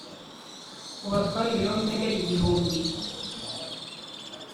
Ubatware ibirometero igihumbi